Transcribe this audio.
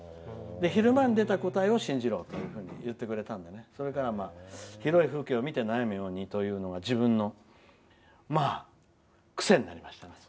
昼間に出た答えを信じろというふうに言ってくれたんでそれから広い風景を見て悩むようにというのが癖になりました。